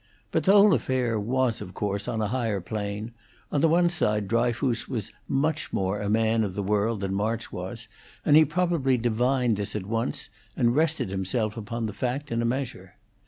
But the whole affair was, of course, on a higher plane; on one side Dryfoos was much more a man of the world than March was, and he probably divined this at once, and rested himself upon the fact in a measure.